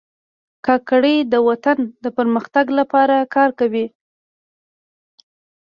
کاکړي د وطن د پرمختګ لپاره کار کوي.